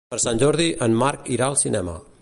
Per Sant Jordi en Marc irà al cinema.